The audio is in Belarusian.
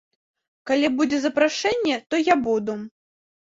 Калі будзе запрашэнне, то я буду.